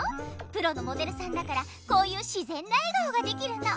プロのモデルさんだからこういうしぜんな笑顔ができるの。